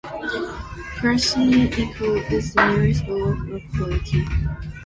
Krasnoye Ekho is the nearest rural locality.